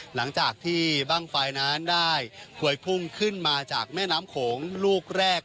หลังจากที่บ้างไฟนั้นได้ควยพุ่งขึ้นมาจากแม่น้ำโขงลูกแรก